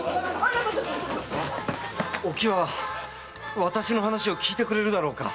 お喜和は私の話を聞いてくれるだろうか？